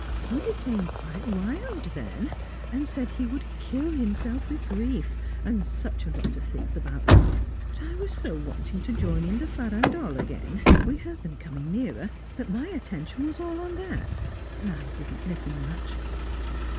He became quite wild then, and said he would kill himself with grief; and such a lot of things about love; but I was so wanting to join in the farandole again we heard them coming nearer that my attention was all on that, and I did not listen much.